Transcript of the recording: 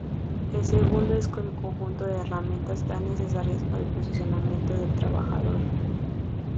El segundo es el conjunto de herramientas necesarias para el posicionamiento del trabajador.